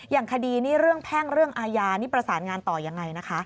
อย่างคดีนี้เรื่องแพ่งเรื่องอาญานี่ประสานงานต่อยังไงนะคะ